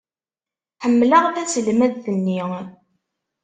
Ḥemmleɣ taselmadt-nni.